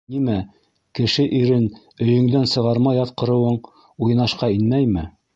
Нимә, кеше ирен өйөңдән сығармай яткырыуың уйнашҡа инмәйме?!